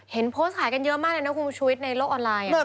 เห็นโพสต์ขายกันเยอะมากเลยนะคุณชุวิตในโลกออนไลน์